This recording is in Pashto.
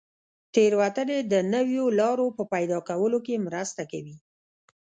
تېروتنې د نویو لارو په پیدا کولو کې مرسته کوي.